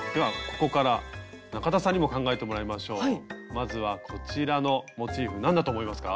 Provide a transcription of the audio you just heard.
まずはこちらのモチーフ何だと思いますか？